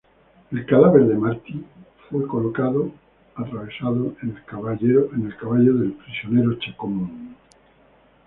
El cadáver de Martí fue colocado atravesado en el caballo del prisionero Chacón.